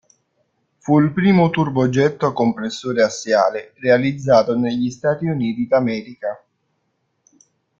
Fu il primo turbogetto a compressore assiale realizzato negli Stati Uniti d'America.